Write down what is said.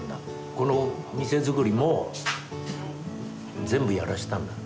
この店づくりも全部やらしたんだ。